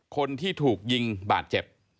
คนที่ถูกยิงบาดเจ็บ